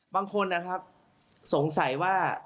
บางคนนะครับสงสัยว่า